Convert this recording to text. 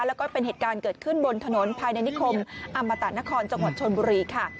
แล้วก็เป็นเหตุการณ์เกิดขึ้นบนถนนภายในนิคมอมตะนครจังหวัดชนบุรีค่ะ